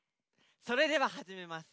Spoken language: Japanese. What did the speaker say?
それでははじめます。